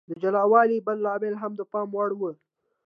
د جلا والي بل لامل هم د پام وړ و.